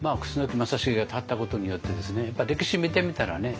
楠木正成が立ったことによってですねやっぱ歴史見てみたらね